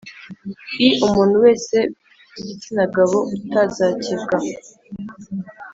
i Umuntu wese w igitsina gabo utazakebwa